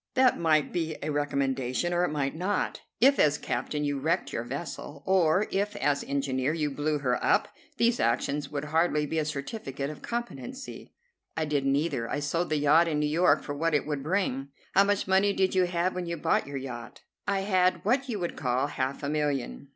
"That might be a recommendation, or it might not. If, as captain, you wrecked your vessel, or if, as engineer, you blew her up, these actions would hardly be a certificate of competency." "I did neither. I sold the yacht in New York for what it would bring." "How much money did you have when you bought your yacht?" "I had what you would call half a million."